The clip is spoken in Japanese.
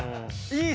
いい。